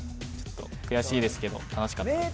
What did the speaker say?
悔しいですけど楽しかったです